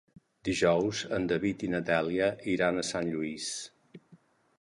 Dijous en David i na Dèlia iran a Sant Lluís.